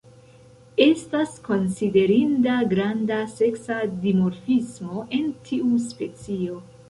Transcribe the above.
Estas konsiderinda granda seksa dimorfismo en tiu specio.